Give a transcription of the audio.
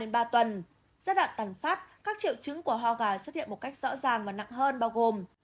giai đoạn tăng phát các triệu chứng của ho gà xuất hiện một cách rõ ràng và nặng hơn bao gồm